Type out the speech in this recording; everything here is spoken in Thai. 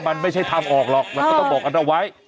มันไม่ใช่ทางออกหรอกมันก็ต้องบอกกันเอาไว้